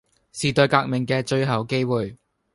時代革命嘅最後機會